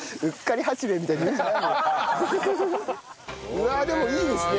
うわあでもいいですね。